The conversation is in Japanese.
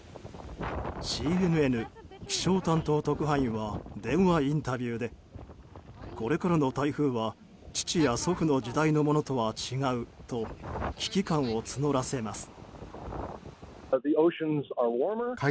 ＣＮＮ気象担当特派員は電話インタビューでこれからの台風は父や祖父の時代のものとは違うと危機感を募らせます。